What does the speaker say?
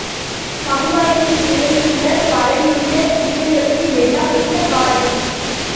சமுதாயத்தில் நிறைந்துள்ள, பரவியுள்ள தீமைகளுக்கு எல்லாம் என்ன காரணம்?